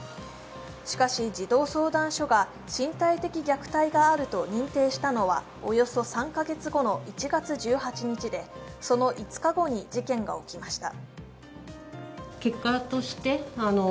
しかし、児童相談所が身体的虐待があると認定したのはおよそ３カ月後の１月１８日で、その５日後に事件が起きました。